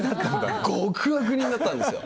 極悪人だったんですよ。